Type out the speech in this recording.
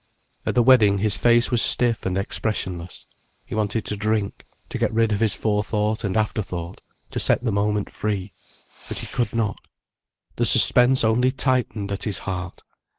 At the wedding, his face was stiff and expressionless. He wanted to drink, to get rid of his forethought and afterthought, to set the moment free. But he could not. The suspense only tightened at his heart.